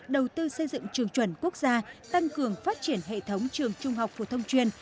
đầu tư xây dựng trường chuẩn quốc gia tăng cường phát triển hệ thống trường trung học phổ thông chuyên